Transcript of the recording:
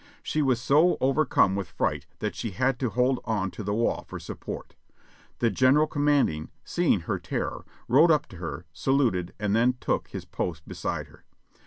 She was so overcome with fright that she had to hold on to the wall for support. The general commanding, seeing her terror, rode up to her, saluted, and then took his post beside her.